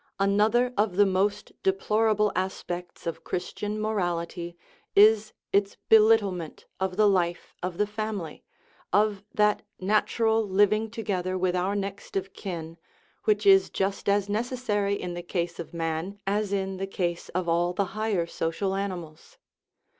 V. Another of the most deplorable aspects of Chris tian morality is its belittlement of the life of the family, of that natural living together with our next of kin which is just as necessary in the case of man as in the case of all the higher social animals.